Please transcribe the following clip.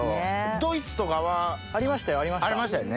ドイツとかは？ありましたよありました。